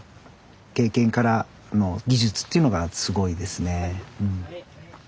経験からの技術っていうのがすごいですね。